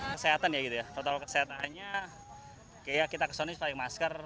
kesehatan ya kalau kesehatannya kita kesuai pakai masker